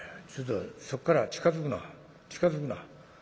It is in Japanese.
ちょっとそこから近づくな近づくな」。